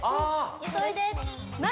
急いで何？